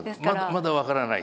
まだ分からないと。